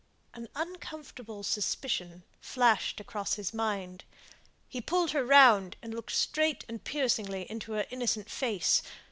An uncomfortable suspicion flashed across his mind. He pulled her round, and looked straight and piercingly into her innocent face.